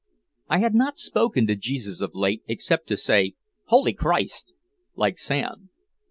I had not spoken to Jesus of late except to say "Holy Christ!" like Sam.